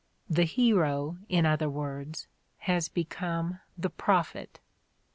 The hero, in other words, has become the prophet.